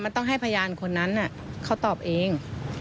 มันต้องให้พยานคนนั้นเขาตอบเอง